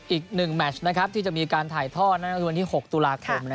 อีกหนึ่งแมทที่จะมีการถ่ายท่อนวันที่๖ตุลาคม